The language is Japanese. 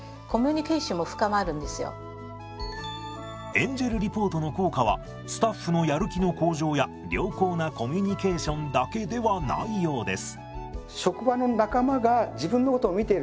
エンジェルリポートの効果はスタッフのやる気の向上や良好なコミュニケーションだけではないようです。